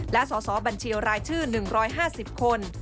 และสอสอบัญชีรายชื่อ๑๕๐คน